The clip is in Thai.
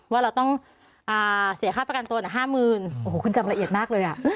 ว่าเราต้องอ่าเสียค่าประกันตัวหนึ่งห้ามืนโอ้โหคุณจำละเอียดมากเลยอ่ะ